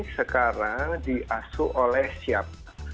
sekarang diasuh oleh siap